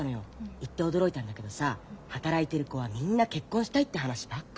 行って驚いたんだけどさ働いてる子はみんな結婚したいって話ばっかよ。